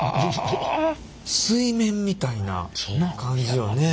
水面みたいな感じよね。